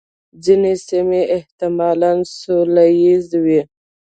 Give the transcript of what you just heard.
ځینې سیمې احتمالاً سوله ییزې وې.